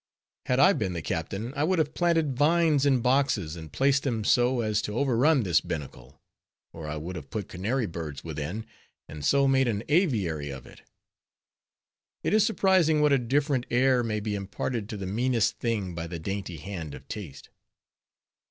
Had I been the captain, I would have planted vines in boxes, and placed them so as to overrun this binnacle; or I would have put canary birds within; and so made an aviary of it. It is surprising what a different air may be imparted to the meanest thing by the dainty hand of taste.